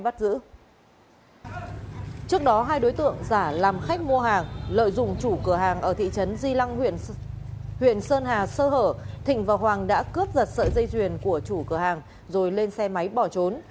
trước đó hai đối tượng giả làm khách mua hàng lợi dụng chủ cửa hàng ở thị trấn di lăng huyện sơn hà sơ hở thịnh và hoàng đã cướp giật sợi dây duyền của chủ cửa hàng rồi lên xe máy bỏ trốn